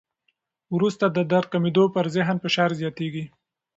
وروسته د درد کمېدو، پر ذهن فشار زیاتېږي.